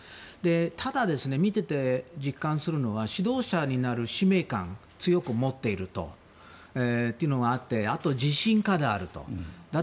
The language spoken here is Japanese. ただ、見ていて実感するのは指導者になる使命感を強く持っているというのがあってあと、自信家であると。